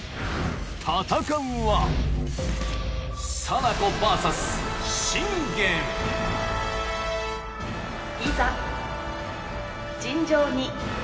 戦うはいざ。